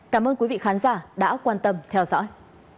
cảm ơn quý vị khán giả đã quan tâm theo dõi